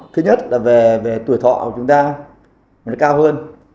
thứ nhất là về tuổi thọ của chúng ta nó cao hơn